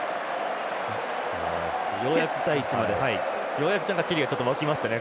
ようやくチリが動きましたね。